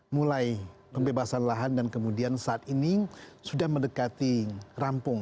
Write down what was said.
mulai pembebasan lahan dan kemudian saat ini sudah mendekati rampung